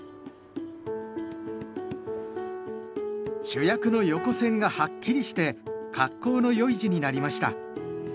主役の横線がはっきりして格好の良い字になりました。